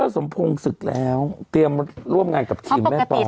สมพงษ์ศึกแล้วเตรียมร่วมงานกับทีมแม่ปอย